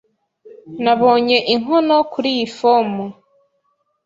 Nabonye inkono kuri iyi fomu.